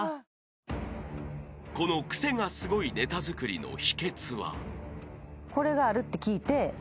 ［このクセがスゴいネタ作りの秘訣は？］